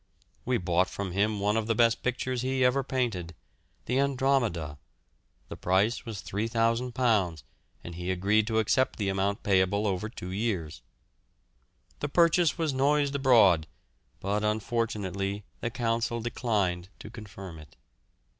We bought from him one of the best pictures he ever painted, the "Andromeda"; the price was £3,000, and he agreed to accept the amount payable over two years. The purchase was noised abroad, but unfortunately the Council declined to confirm it.